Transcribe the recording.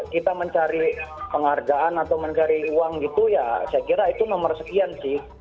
kita mencari penghargaan atau mencari uang gitu ya saya kira itu nomor sekian sih